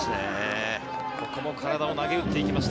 ここも体を投げうっていきました。